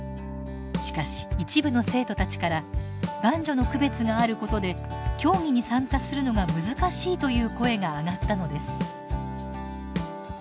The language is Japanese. しかし一部の生徒たちから男女の区別があることで競技に参加するのが難しいという声が上がったのです。